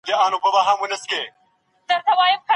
روبوټ ماشينه د ږ، ړ، ڼ، ښ، ځ، څ کلماتو تلفظ صحیح زده که